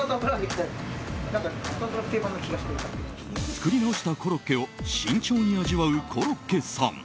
作り直したコロッケを慎重に味わうコロッケさん。